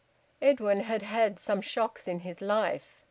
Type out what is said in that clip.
Edwin had had some shocks in his life.